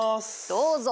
どうぞ。